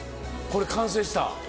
これ完成した？